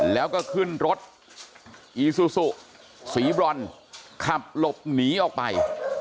แล้วก็ขึ้นรถอีซูซูสีบรอนขับหลบหนีออกไป